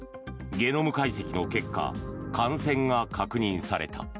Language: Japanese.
ゲノム解析の結果感染が確認された。